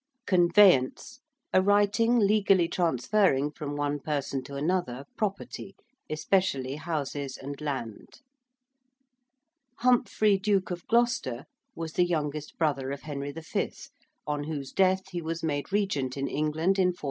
~conveyance~: a writing legally transferring from one person to another property, especially houses and land. ~Humphrey Duke of Gloucester~ was the youngest brother of Henry V., on whose death he was made regent in England in 1422.